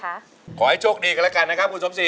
ขอให้โชครับไปกันแล้วกันค่ะคุณสภาษี